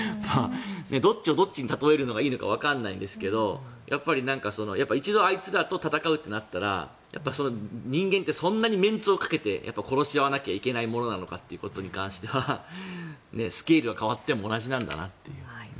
どっちをどっちに例えるのがいいのかわからないんですがやっぱり一度あいつらと戦うとなったら人間ってそんなにメンツをかけて殺し合わなきゃいけないのかっていうことに関してはスケールは変わっても同じなんだなと。